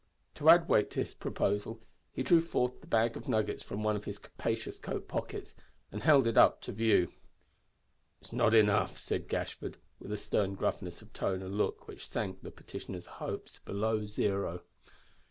To add weight to his proposal he drew forth the bag of nuggets from one of his capacious coat pockets and held it up to view. "It's not enough," said Gashford, with a stern gruffness of tone and look which sank the petitioner's hopes below zero.